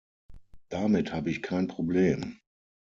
Damit habe ich kein Problem.